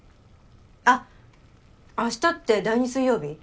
あっ明日って第２水曜日？